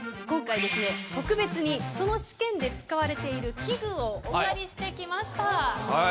今回、特別にその試験で使われている器具をお借りしてきました。